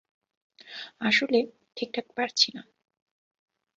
আসলে, ঠিকঠাক পারছি না।